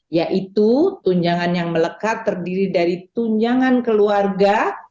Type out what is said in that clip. yaitu tujangan yang melekat terdiri dari tujangan keluarga